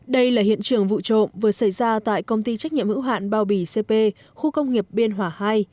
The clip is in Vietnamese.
đây là hiện trường vụ trộm vừa xảy ra tại công ty trách nhiệm hữu hạn bao bì cp khu công nghiệp biên hòa hai